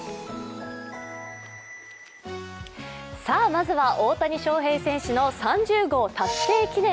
まずは大谷翔平選手の３０号達成記念。